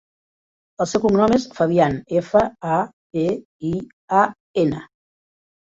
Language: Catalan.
El seu cognom és Fabian: efa, a, be, i, a, ena.